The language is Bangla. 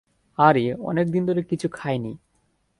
আরে, অনেক দিন ধরে কিছু খাইনি।